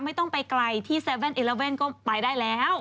ไม่ต้องไปไกลที่๗๑๑ก็ไปได้แล้ว